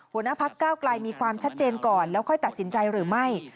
หัวหน้าพักเก้าไกลมีความชัดเจนก่อนแล้วค่อยตัดสินใจหรือไม่